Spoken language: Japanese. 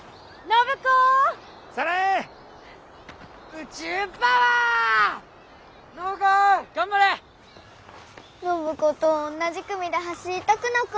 暢子と同じ組で走りたくなかったさ。